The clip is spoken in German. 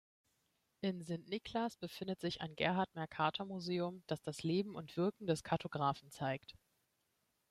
In Sint-Niklaas befindet sich ein Gerhard-Mercator-Museum, das das Leben und Wirken des Kartografen zeigt.